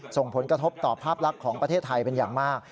ส่งผลกระทบต่อภาพลักษณ์ของประเทศไทยเป็นอย่างมาก